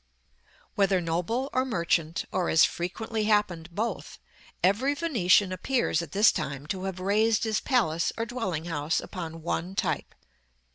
§ XLVI. Whether noble, or merchant, or, as frequently happened, both, every Venetian appears, at this time, to have raised his palace or dwelling house upon one type.